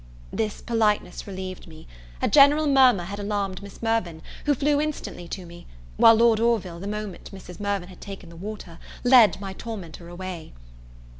This politeness relieved me. A general murmur had alarmed Miss Mirvan, who flew instantly to me; while Lord Orville the moment Mrs. Mirvan had taken the water, led my tormentor away.